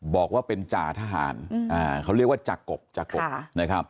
บอกว่าเป็นจาทหารเขาเรียกว่าจักกก